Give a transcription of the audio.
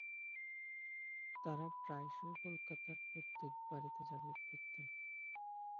তারা প্রায়শই কলকাতার পৈতৃক বাড়িতে যাতায়াত করতেন।